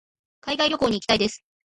海外旅行に行きたいです。